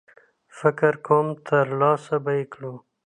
فکر کوم ترلاسه به یې کړو.